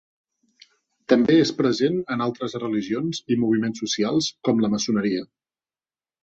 També és present en altres religions i moviments socials, com la maçoneria.